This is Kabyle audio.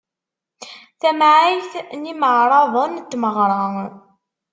Tamɛayt n imeɛraḍen n tmeɣra.